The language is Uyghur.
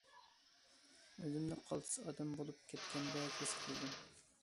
ئۆزۈمنى قالتىس ئادەم بولۇپ كەتكەندەك ھېس قىلدىم.